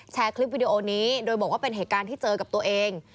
แชร์คลิปวิดีโอนี้โดยบอกว่าเป็นเหตุการณ์ที่เจอกับตัวเอง